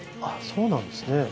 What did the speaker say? あっそうなんですね。